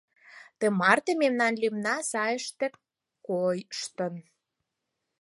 Тымарте мемнан лӱмна сайыште коштын.